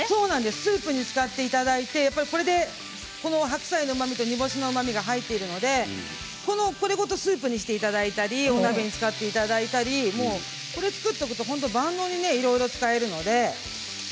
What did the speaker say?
スープに使っていただいて白菜のうまみと煮干しのうまみが入っているのでこれごとスープにしていただいたりお鍋に使っていただいたり作っておくと万能です。